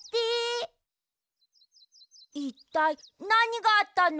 いったいなにがあったの？